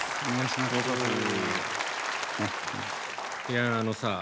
いやあのさ。